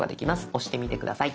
押してみて下さい。